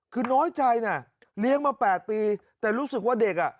คือน้อยใจน่ะเลี้ยงมา๘ปีแต่รู้สึกว่าเด็กอ่ะ